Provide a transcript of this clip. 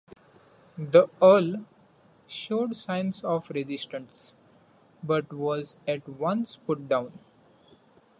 The Earl showed signs of resistance, but was at once put down.